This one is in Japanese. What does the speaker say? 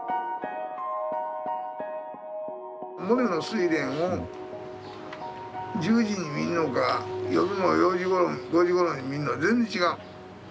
モネの「睡蓮」を１０時に見るのか夜の４時ごろ５時ごろに見るのは全然違う。